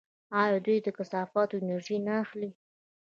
آیا دوی له کثافاتو انرژي نه اخلي؟